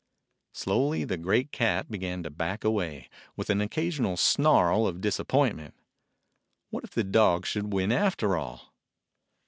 Slowly the great cat began to back away, with an occasional snarl of disappointment. What if the dog should win after all?